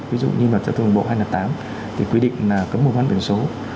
ví dụ như là giao thông đồng bộ hai nghìn tám thì quy định cấm mô bán biển số